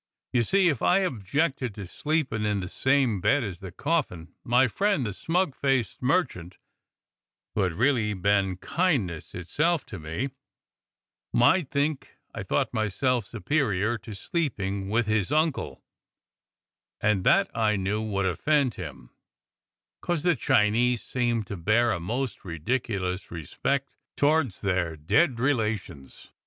You see if I objected to sleepin' in the same bed as the coffin, my friend the smug faced merchant, who had really been kindness itself to me, might think I thought myself superior to sleepin' with his uncle, and that I knew would offend him, 'cos the Chinese seem to bear a most ridiculous respect towards their dead relations.